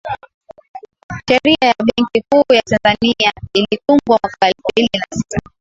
sheria ya benki kuu ya tanzania ilitungwa mwaka elfu mbili na sita